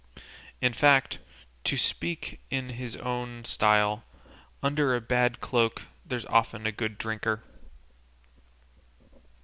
In fact, to speak in his own style, 'under a bad cloak there's often a good drinker.